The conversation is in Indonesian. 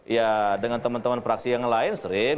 ya dengan teman teman fraksi yang lain sering